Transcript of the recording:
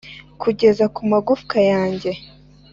kugeza ku magufwa yanjye